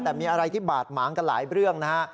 แต่มีอะไรที่บาดหมางกันหลายเรื่องนะฮะ